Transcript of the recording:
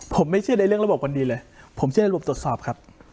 ผมไม่เชื่อในเรื่องระบบวันดีเลยผมเชื่อระบบตรวจสอบครับ